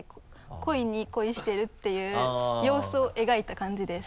恋に恋してるっていう様子を描いた感じです。